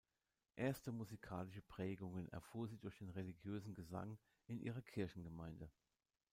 Erste musikalische Prägungen erfuhr sie durch den religiösen Gesang in ihrer Kirchengemeinde.